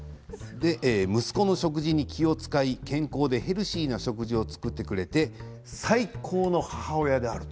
息子の食事に気を遣い健康でヘルシーな食事を作ってくれて最高の母親であると。